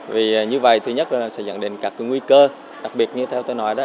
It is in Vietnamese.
vì như vậy thứ nhất là sẽ dẫn đến các nguy cơ đặc biệt như theo tôi nói đó